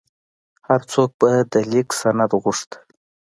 هر څوک به د لیک سند غوښت.